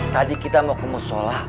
tadi kita mau ke musola